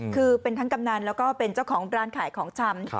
คือเป็นทั้งกำนันแล้วก็เป็นเจ้าของร้านขายของชำ